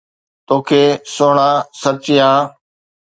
توکي سھڻا سرچايان